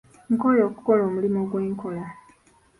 Nkooye okukola omulimu gwe nkola.